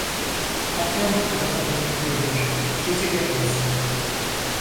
Patron bu tarafa doğru geliyor, sizi görmesin.